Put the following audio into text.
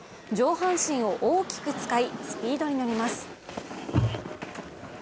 上半身を大きく使い、スピードに乗ります。